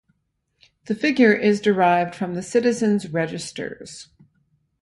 The figure is derived from the citizens' registers.